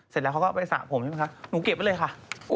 เสร็จแล้วเขาก็ไปสระผมใช่ไหมคะหนูเก็บไว้เลยค่ะ